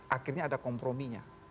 akhirnya ada komprominya